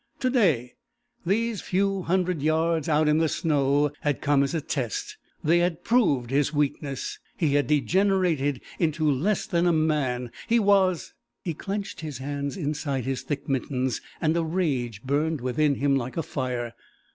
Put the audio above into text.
To day these few hundred yards out in the snow had come as a test. They had proved his weakness. He had degenerated into less than a man! He was.... He clenched his hands inside his thick mittens, and a rage burned within him like a fire.